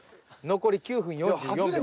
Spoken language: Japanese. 残り９分４４秒。